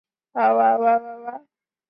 罗德里格斯茜草目前被列为极危物种。